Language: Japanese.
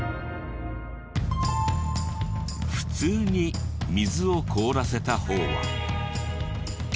普通に水を凍らせた方は。